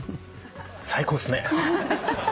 最高っすね。